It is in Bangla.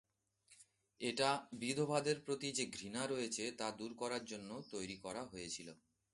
এটা বিধবাদের প্রতি যে-ঘৃণা রয়েছে, তা দূর করার জন্য তৈরি করা হয়েছিল।